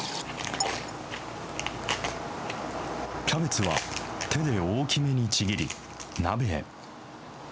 キャベツは手で大きめにちぎり、鍋へ。